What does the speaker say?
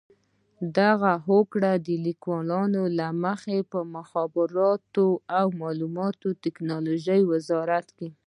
د دغو هوکړه لیکونو له مخې به د مخابراتو او معلوماتي ټکنالوژۍ وزارت